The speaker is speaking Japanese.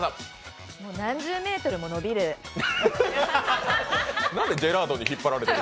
何十メートルも伸びる？